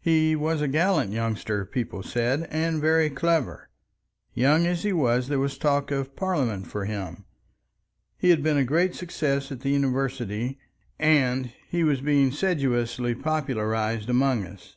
He was a gallant youngster, people said, and very clever. Young as he was there was talk of parliament for him; he had been a great success at the university, and he was being sedulously popularized among us.